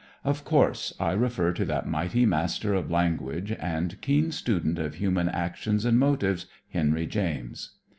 Of course I refer to that mighty master of language and keen student of human actions and motives, Henry James.